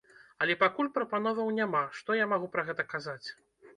Але пакуль прапановаў няма, што я магу пра гэта казаць?